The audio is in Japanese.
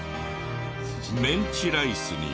メンチライスには。